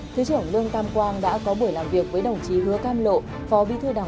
thứ trưởng lương tam quang đã có buổi làm việc với đồng chí hứa cam lộ